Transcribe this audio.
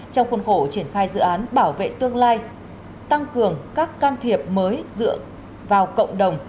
trong khuôn khổ triển khai dự án bảo vệ tương lai tăng cường các can thiệp mới dựa vào cộng đồng